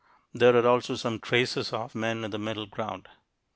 There are also some traces of men in the middle ground.